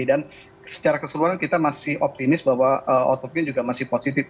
dan secara keseluruhan kita masih optimis bahwa outlook nya juga masih positif